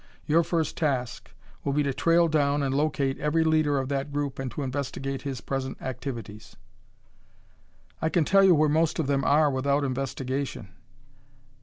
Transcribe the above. Your first task will be to trail down and locate every leader of that group and to investigate his present activities." "I can tell you where most of them are without investigation.